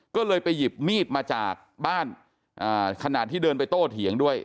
ก็เลยไปหยิบมีดมาจากบ้านขณะที่เดินไปโต้เถียงด้วย